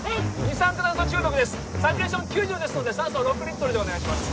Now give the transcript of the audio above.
サチュレーション９０ですので酸素６リットルでお願いします